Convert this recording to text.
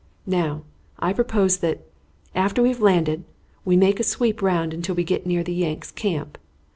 Now, I propose that, after we've landed, we make a sweep round until we get near the Yanks' camp.